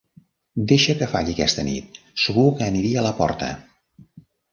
Deixa que falli aquesta nit, segur que aniria a la porta.